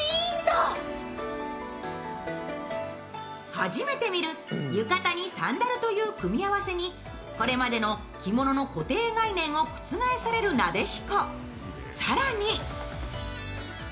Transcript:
初めて見る、浴衣にサンダルという組み合わせにこれまでの着物の固定概念を覆される撫子。